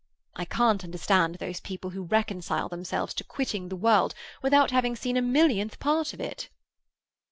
I can't understand those people who reconcile themselves to quitting the world without having seen a millionth part of it."